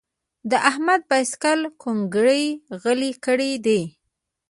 د احمد باسکل کونګري غلي کړي دي.